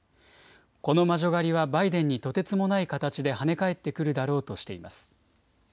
この魔女狩りはバイデンにとてつもない形で跳ね返ってくるだろうとしています。